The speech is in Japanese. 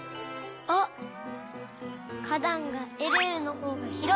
かだんがえるえるのほうがひろい。